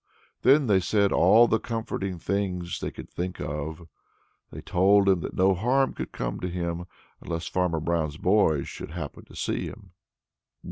Then they said all the comforting things they could think of. They told him that no harm could come to him there, unless Farmer Brown's boy should happen to see him.